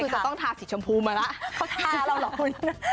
ก็ต้องทาสีชมพูมาแล้ว